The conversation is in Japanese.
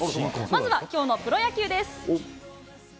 まずはきょうのプロ野球です。